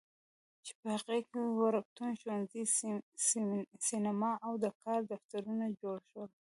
چې په هغې کې وړکتون، ښوونځی، سینما او د کار دفترونه جوړ شول.